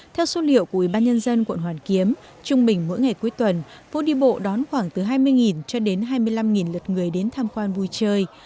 theo số liệu của ủy ban nhân dân quận hoàn kiếm trung bình mỗi ngày cuối tuần phố đi bộ đón khoảng từ hai mươi cho đến hai mươi năm lượt người đến tham quan vui chơi